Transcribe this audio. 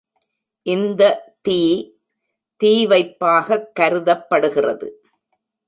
இந்த தீ தீவைப்பாகக் கருதப்படுகிறது.